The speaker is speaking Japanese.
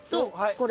これ？